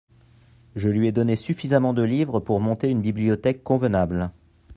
Je lui ai donné suffisamment de livres pour monter une bibliothèque convenable.